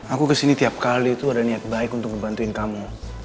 aku kesini tiap kali itu ada niat baik untuk ngebantuin kamu